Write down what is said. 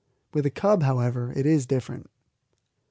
With a cub, however, it is different.